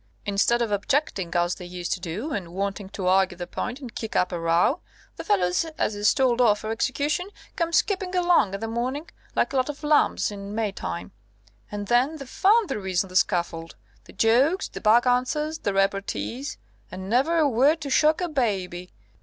Instead of objecting, as they used to do, and wanting to argue the point and kick up a row, the fellows as is told off for execution come skipping along in the morning, like a lot of lambs in May time. And then the fun there is on the scaffold! The jokes, the back answers, the repartees! And never a word to shock a baby!